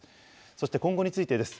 そして今後についてです。